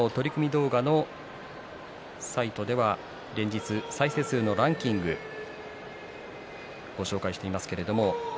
動画のサイトでは連日再生数のランキングを紹介しています。